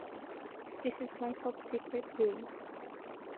This is my top secret room.